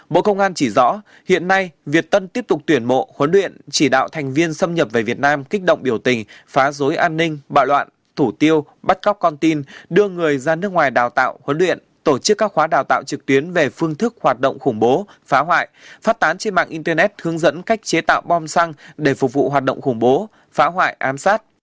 bộ công an chỉ rõ hiện nay việt tân tiếp tục tuyển mộ huấn luyện chỉ đạo thành viên xâm nhập về việt nam kích động biểu tình phá rối an ninh bạo loạn thủ tiêu bắt cóc con tin đưa người ra nước ngoài đào tạo huấn luyện tổ chức các khóa đào tạo trực tuyến về phương thức hoạt động khủng bố phá hoại phát tán trên mạng internet hướng dẫn cách chế tạo bom xăng để phục vụ hoạt động khủng bố phá hoại ám sát